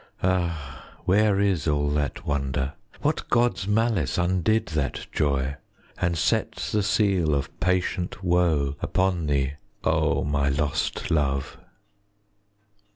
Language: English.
Ah, where is all that wonder? What god's malice Undid that joy And set the seal of patient woe upon thee, O my lost love?